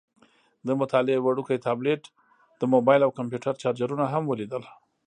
د مطالعې وړوکی ټابلیټ، د موبایل او کمپیوټر چارجرونه هم ولیدل.